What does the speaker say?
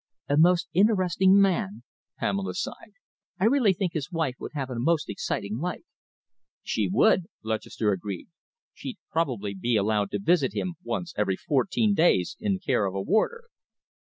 "A most interesting man," Pamela sighed. "I really think his wife would have a most exciting life." "She would!" Lutchester agreed. "She'd probably be allowed to visit him once every fourteen days in care of a warder."